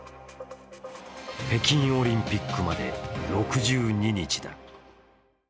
北京オリンピックまで６２日だ。